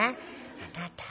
あなたぁ。